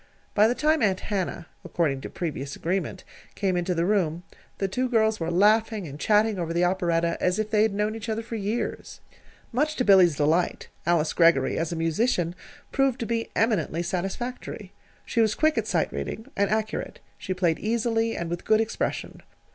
By the time Aunt Hannah according to previous agreement came into the room, the two girls were laughing and chatting over the operetta as if they had known each other for years. Much to Billy's delight, Alice Greggory, as a musician, proved to be eminently satisfactory. She was quick at sight reading, and accurate. She played easily, and with good expression.